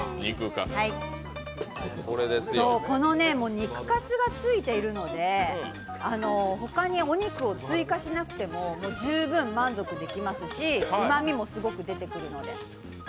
この肉かすがついているので他にお肉を追加しなくても十分満足できますしうまみもすごく出てきますので。